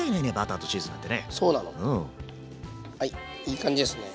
はいいい感じですね。